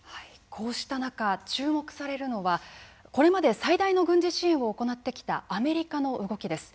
こうした中注目されるのはこれまで最大の軍事支援を行ってきたアメリカの動きです。